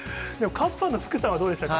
カープファンの福さんはどうでしたか。